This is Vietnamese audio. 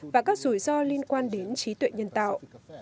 và các rủi ro liên quan đến trí tuệ nhân tạo